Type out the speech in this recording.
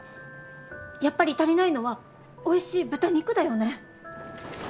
やっぱり足りないのはおいしい豚肉だよね。